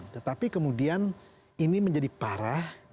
tetapi kemudian ini menjadi parah